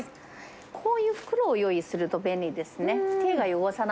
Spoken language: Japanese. こういう袋を用意すると便利ですね。